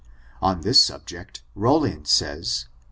On this subject, Rollin says, p.